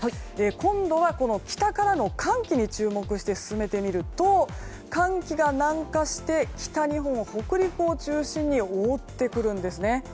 今度は北からの寒気に注目して進めてみると、寒気が南下して北日本、北陸を中心に覆ってくるんですね。